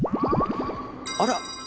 あら？